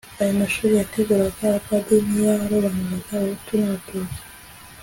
ayo mashuri yateguraga abapadiri ntiyarobanuraga abahutu n'abatutsi